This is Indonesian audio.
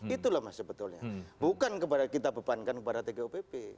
itulah mas sebetulnya bukan kita bebankan kepada tgupp